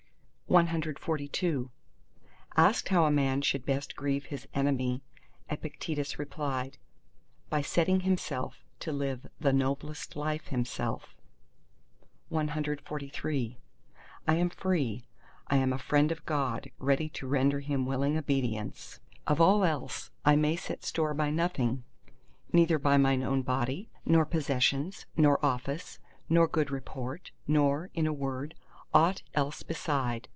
CXLIII Asked how a man should best grieve his enemy, Epictetus replied, "By setting himself to live the noblest life himself." CXLIV I am free, I am a friend of God, ready to render Him willing obedience. Of all else I may set store by nothing—neither by mine own body, nor possessions, nor office, nor good report, nor, in a word, aught else beside.